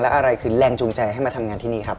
อะไรคือแรงจูงใจให้มาทำงานที่นี่ครับ